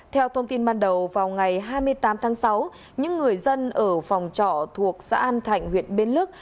theo thông tin ban đầu vào ngày hai mươi tám tháng sáu những người dân ở phòng trọ thuộc xã an thạnh huyện bến lức